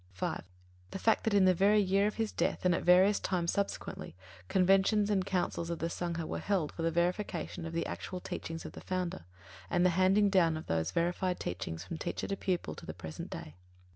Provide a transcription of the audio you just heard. (5) The fact that in the very year of his death and at various times subsequently, conventions and councils of the Sangha were held, for the verification of the actual teachings of the Founder, and the handing down of those verified teachings from teacher to pupil, to the present day.